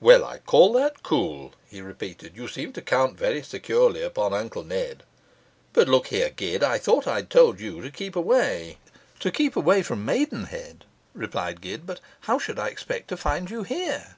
'Well, I call that cool,' he repeated; 'you seem to count very securely upon Uncle Ned. But look here, Gid, I thought I had told you to keep away?' 'To keep away from Maidenhead,' replied Gid. 'But how should I expect to find you here?